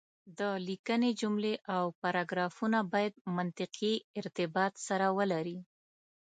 د ليکنې جملې او پاراګرافونه بايد منطقي ارتباط سره ولري.